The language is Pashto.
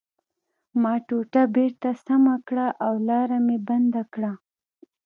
ما ټوټه بېرته سمه کړه او لاره مې بنده کړه